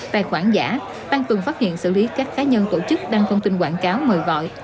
tài khoản giả tăng cường phát hiện xử lý các cá nhân tổ chức đăng thông tin quảng cáo mời gọi